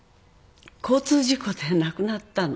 交通事故で亡くなったの。